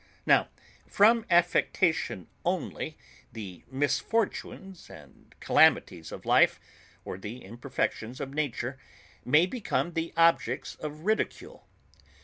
Now from affectation only, the misfortunes and calamities of life, or the imperfections of nature, may become the objects of ridicule.